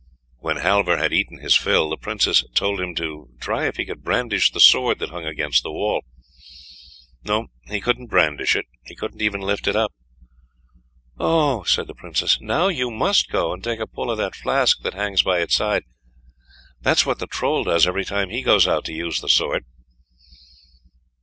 When Halvor had eaten his fill, the Princess told him to try if he could brandish the sword that hung against the wall; no, he couldn't brandish it, he couldn't even lift it up. "Oh!" said the Princess, "now you must go and take a pull of that flask that hangs by its side; that's what the Troll does every time he goes out to use the sword."